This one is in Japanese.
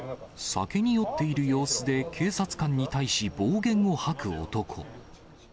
酒に酔っている様子で警察官に対し、暴言を吐く男。